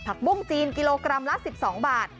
ปุ้งจีนกิโลกรัมละ๑๒บาท